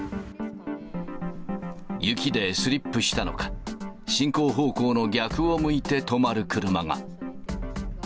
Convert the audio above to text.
雪でスリップしたのか、進行方向の逆を向いて止まる車が。